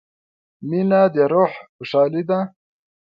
• مینه د روح خوشحالي ده.